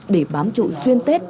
để bám trụ xuyên tết